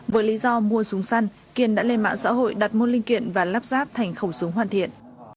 với lý do mua súng săn kiên đã lên mạng xã hội đặt môn linh kiện và lắp ráp thành khẩu súng hoàn thiện